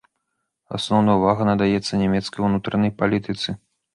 Асноўная ўвага надаецца нямецкай унутранай палітыцы.